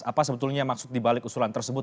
apa sebetulnya maksud dibalik usulan tersebut